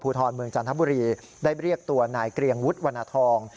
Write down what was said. ทรเมืองจันทบุรีได้เรียกตัวนายเกรียงวุฒิวรรณฑร